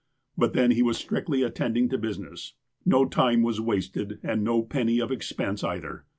But then he was strictly attending to business. No time was wasted, and no penny of expense either.